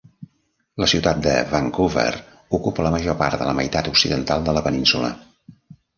La ciutat de Vancouver ocupa la major part de la meitat occidental de la península.